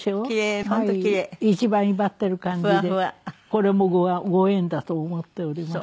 これもご縁だと思っております。